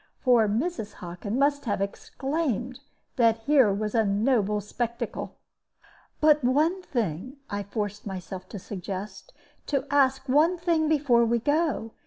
For Mrs. Hockin must have exclaimed that here was a noble spectacle. "But one thing," I forced myself to suggest; "do ask one thing before we go.